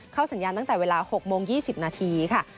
สัญญาณตั้งแต่เวลา๖โมง๒๐นาทีค่ะ